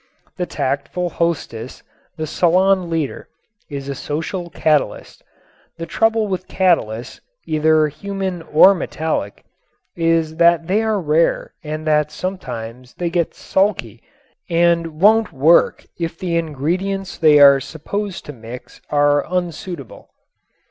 The tactful hostess, the salon leader, is a social catalyst. The trouble with catalysts, either human or metallic, is that they are rare and that sometimes they get sulky and won't work if the ingredients they are supposed to mix are unsuitable.